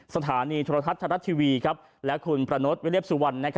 สถานีธรรมทัศน์ธรรมทรัฐทีวีและคุณประโนธวิเลียบสุวรรณ